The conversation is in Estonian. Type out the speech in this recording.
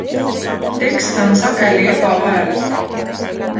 Tekst on sageli ebavajalik.